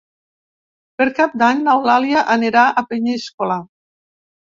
Per Cap d'Any n'Eulàlia anirà a Peníscola.